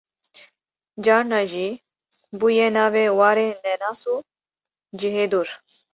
carna jî bûye navê warê nenas û cihê dûr